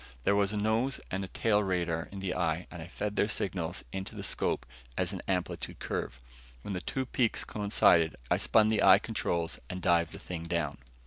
There was a nose and tail radar in the eye and I fed their signals into a scope as an amplitude curve. When the two peaks coincided, I spun the eye controls and dived the thing down.